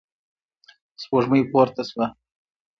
سپوږمۍ پورته شوه.